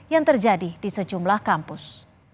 yang terjadi di sejumlah kampus